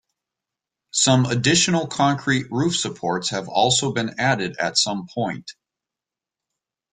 Some additional concrete roof supports have also been added at some point.